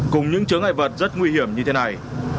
cùng những chứa ngại vật rất nguy hiểm như thế này